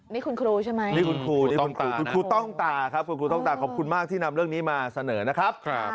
นี่คุณครูใช่ไหมนี่คุณครูคุณครูต้องตาครับขอบคุณมากที่นำเรื่องนี้มาเสนอนะครับ